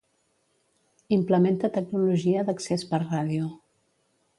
Implementa tecnologia d'accés per ràdio.